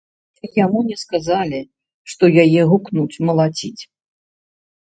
Яму не сказалі, што яе гукнуць малаціць.